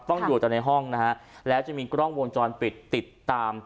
ต้องอยู่ในห้องนะครับและจะมีกล้องวงจรปิดติดตาม